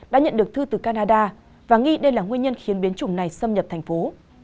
đã nhận được thư từ canada và nghi đây là nguyên nhân khiến biến chủng này xâm nhập thành phố